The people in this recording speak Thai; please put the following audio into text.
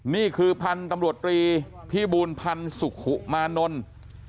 นี่คือพันธุ์ตำรวจตรีพิบูลพันธ์สุขุมานนท์